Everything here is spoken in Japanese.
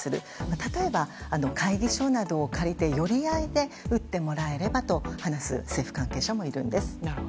例えば、会議所などを借りて寄り合いで打ってもらえればと話す政府関係者もいるんです。